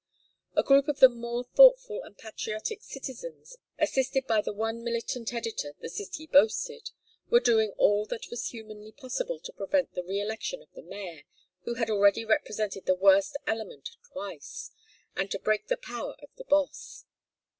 A group of the more thoughtful and patriotic citizens, assisted by the one militant editor the city boasted, were doing all that was humanly possible to prevent the re election of the mayor, who had already represented the worst element twice, and to break the power of the Boss.